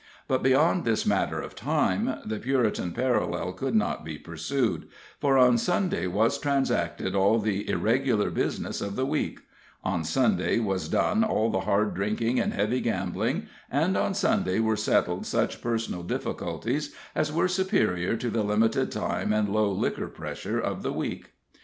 But beyond this matter of time the Puritan parallel could not be pursued, for on Sunday was transacted all the irregular business of the week; on Sunday was done all the hard drinking and heavy gambling; and on Sunday were settled such personal difficulties as were superior to the limited time and low liquor pressure of the week.